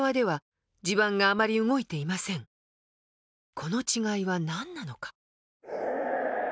この違いは何なのか。